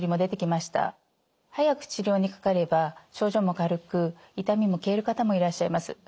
早く治療にかかれば症状も軽く痛みも消える方もいらっしゃいます。